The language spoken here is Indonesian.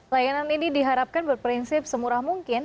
layanan ini diharapkan berprinsip semurah mungkin